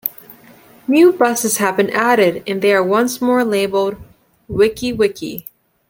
New buses have been added, and they are once more labelled "Wiki Wiki".